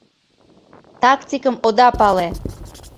Тактикым ода пале!